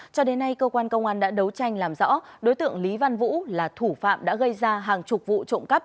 cho đến nay cơ quan công an đã đấu tranh làm rõ đối tượng lý văn vũ là thủ phạm đã gây ra hàng chục vụ trộm cắp